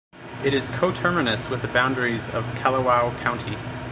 It is coterminous with the boundaries of Kalawao County.